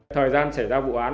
thời gian xảy ra vụ án